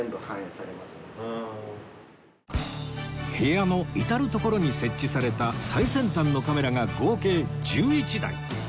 部屋の至る所に設置された最先端のカメラが合計１１台